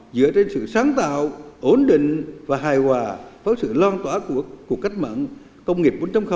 dựa trên sự sáng tạo ổn định và hài hòa với sự loan tỏa của cuộc cách mạng công nghiệp bốn